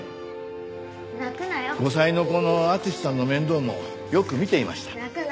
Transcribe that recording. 後妻の子の敦さんの面倒もよく見ていました。